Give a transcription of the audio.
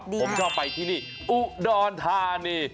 ผมชอบไปที่นี้อุดอนทานี่